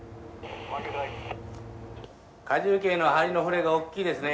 荷重計の針の振れがおっきいですね。